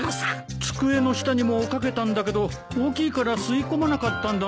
机の下にもかけたんだけど大きいから吸い込まなかったんだね。